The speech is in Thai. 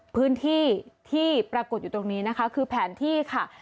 พื้นที่ที่ปรากฏอยู่ตรงนี้นะคะคือแผนที่ค่ะ